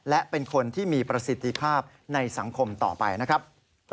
และเป็นคนที่มีประสิทธิภาพในสังคมต่อไปนะครับ